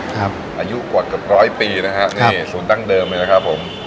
ครับอายุกว่ากับร้อยปีนะครับครับนี่ศูนย์ตั้งเดิมนี่แหละครับผม